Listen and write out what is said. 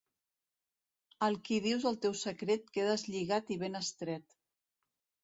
Al qui dius el teu secret quedes lligat i ben estret.